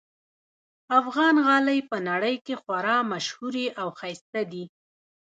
افغان غالۍ په نړۍ کې خورا ممشهوري اوښایسته دي